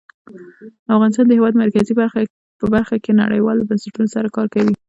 افغانستان د د هېواد مرکز په برخه کې نړیوالو بنسټونو سره کار کوي.